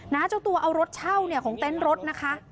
เจ้าตัวเอารถเช่าเนี่ยของเต็นต์รถนะคะ